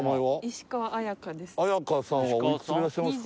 石河綾伽です綾伽さんはおいくつでいらっしゃいますか？